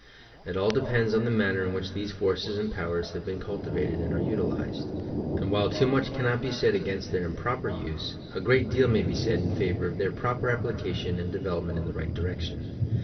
It all depends on the manner in which these forces and powers have been cultivated and are utilized; and while too much cannot be said against their improper use, a great deal may be said in favour of their proper application and de velopment in the right direction.